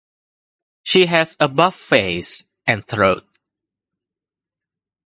She has a buff face and throat.